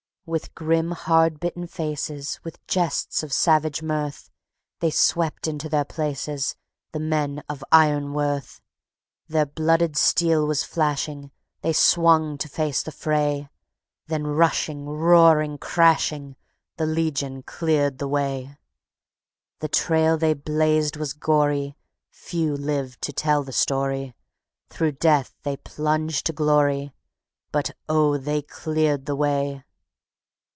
"_ With grim, hard bitten faces, With jests of savage mirth, They swept into their places, The men of iron worth; Their blooded steel was flashing; They swung to face the fray; Then rushing, roaring, crashing, The Legion cleared the way. _The trail they blazed was gory; Few lived to tell the story; Through death they plunged to glory; But, oh, they cleared the way!